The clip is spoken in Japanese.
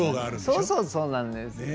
そうそうそうなんです。